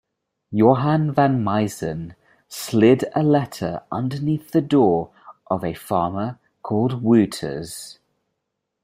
Johan van Muysen slid a letter underneath the door of a farmer called Wouters.